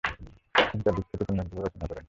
তিনি তার বিখ্যাত উপন্যাসগুলো রচনা করেন।